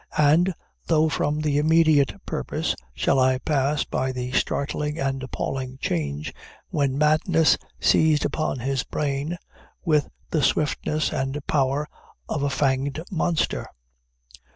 And, though from the immediate purpose, shall I pass by the startling and appalling change, when madness seized upon his brain, with the swiftness and power of a fanged monster?